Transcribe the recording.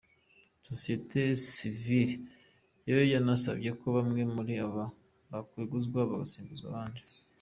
Sosiyete Sivili yo yanasabye ko bamwe muri bo bakweguzwa bagasimbuzwa abandi.